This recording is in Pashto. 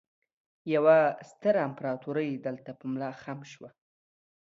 يوه ستره امپراتورۍ دلته په ملا خم شوه